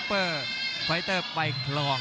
พจศานี้ยังไม่เกิดเลยครับ